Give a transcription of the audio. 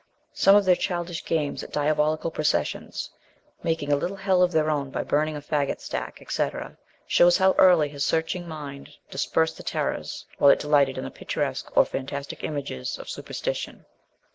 Some of their childish games at diabolical processions, making a little hell of their own by burning a fagot stack, &c., shows how early his searching mind dis persed the terrors, while it delighted in the pictur esque or fantastic images, of superstition.